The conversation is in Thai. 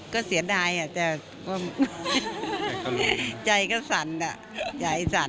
ก็เสียดายอ่ะแต่ว่าใจก็สั่นอ่ะใจสั่น